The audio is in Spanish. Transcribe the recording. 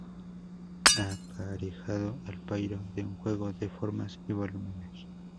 aparejado al pairo de un juego de formas y volúmenes